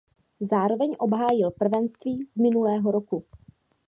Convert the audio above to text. Zároveň obhájil prvenství z minulého roku.